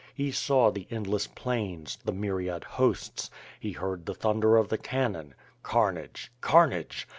He saw the endless plains; the myriad hosts; he heard the thunder of the cannon. Carnage! carnage!